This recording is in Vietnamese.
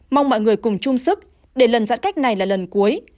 mong mọi người cùng chung sức để lần giãn cách này là lần cuối